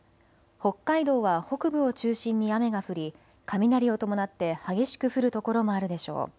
北海道は北部を中心に雨が降り雷を伴って激しく降る所もあるでしょう。